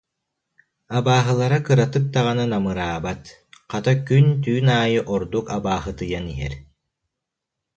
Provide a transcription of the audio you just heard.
Абааһылара кыратык даҕаны намыраабат, хата күн-түүн аайы ордук абааһытыйан иһэр